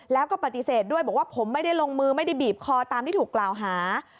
แล้วก็ปฏิเสธด้วยบอกว่าผมไม่ได้ลงมือไม่ได้บีบคอตามที่ถูกกล่าวหา